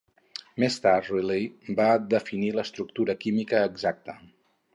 Més tard, Riley va definir l'estructura química exacta.